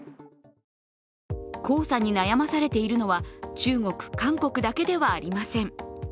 黄砂に悩まされているのは中国・韓国だけではありません。